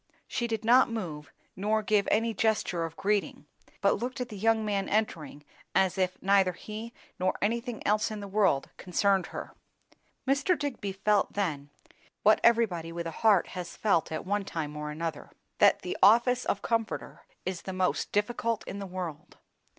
She did not move, nor give any gesture of greeting, but looked at the young man entering as if neither he nor anything else in the world concerned her. Mr. Digby felt then, what everybody with a heart has felt at one time or another, that the office of comforter is the most difficult in the world.